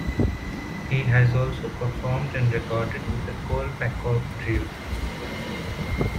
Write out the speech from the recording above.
He has also performed and recorded with the Kolpakov Trio.